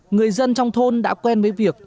người dân trong thôn đã quen với việc